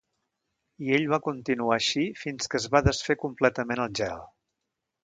I ell va continuar així fins que es va desfer completament el gel.